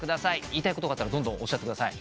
言いたいことがあったらどんどんおっしゃってください。